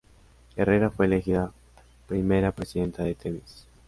Herrera fue elegida primera presidenta de Themis.